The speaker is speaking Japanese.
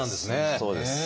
そうです。